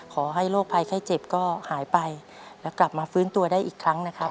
ขอให้โรคภัยไข้เจ็บก็หายไปแล้วกลับมาฟื้นตัวได้อีกครั้งนะครับ